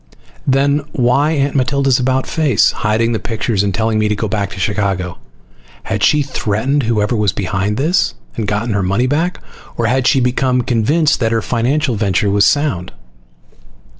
Then why Aunt Matilda's about face, hiding the pictures and telling me to go back to Chicago? Had she threatened whoever was behind this, and gotten her money back? Or had she again become convinced that her financial venture was sound?